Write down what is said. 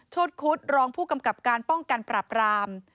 ชดคุดรองผู้กำกับการป้องกันปราบราม